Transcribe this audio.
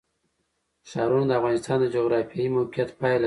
ښارونه د افغانستان د جغرافیایي موقیعت پایله ده.